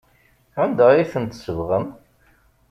Anda ay ten-tsebɣem?